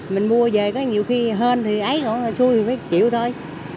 mình mua về có nhiều khi hên thì ấy còn xui thì phải chịu thôi